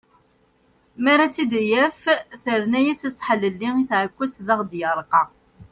Mi ara tt-id-yaf terna-yas aseḥlelli i tεekkazt i d aɣ-yerqa.